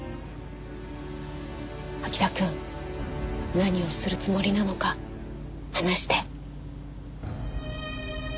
彬くん何をするつもりなのか話して。